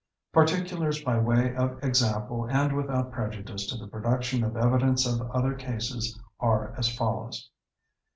Particulars by way of example and without prejudice to the production of evidence of other cases, are as follows: 1.